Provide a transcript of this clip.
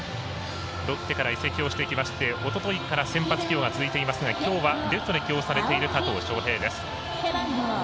ロッテから移籍をしてきましておとといから先発起用が続いていますがきょうはレフトで起用されている加藤翔平です。